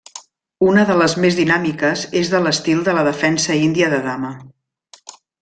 Una de les més dinàmiques és de l'estil de la Defensa Índia de Dama.